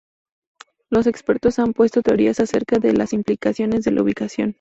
Los expertos han propuesto teorías acerca de las implicaciones de la ubicación.